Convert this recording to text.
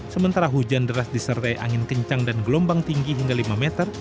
sementara hujan deras disertai angin kencang dan gelombang tinggi hingga lima meter